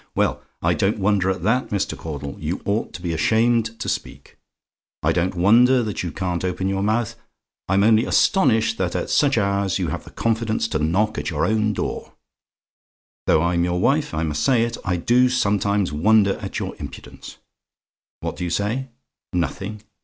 "Well, I don't wonder at that, Mr. Caudle? you ought to be ashamed to speak; I don't wonder that you can't open your mouth. I'm only astonished that at such hours you have the confidence to knock at your own door. Though I'm your wife, I must say it, I do sometimes wonder at your impudence. What do you say? "NOTHING?